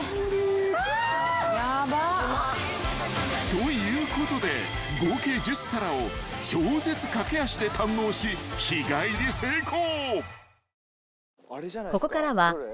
［ということで合計１０皿を超絶駆け足で堪能し日帰り成功］